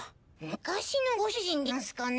昔のご主人でヤンスかね？